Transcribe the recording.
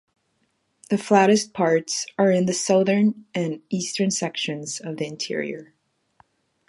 The flattest parts are in the southern and eastern sections of the interior.